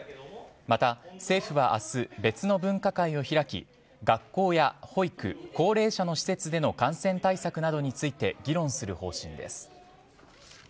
また、政府は明日別の分科会を開き学校や保育、高齢者の施設での感染対策などについて議論する方針です。